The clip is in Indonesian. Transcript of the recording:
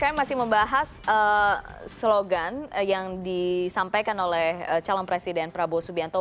kami masih membahas slogan yang disampaikan oleh calon presiden prabowo subianto